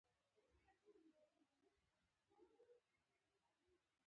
آیا د مخدره توکو قاچاق یوه ستونزه نه ده؟